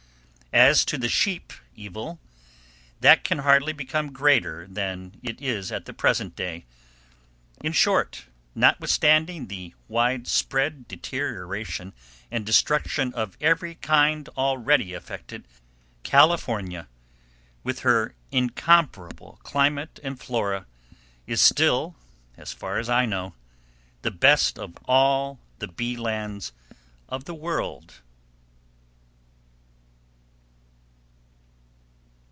As to the sheep evil, that can hardly become greater than it is at the present day. In short, notwithstanding the wide spread deterioration and destruction of every kind already effected, California, with her incomparable climate and flora, is still, as far as I know, the best of all the bee lands of the world.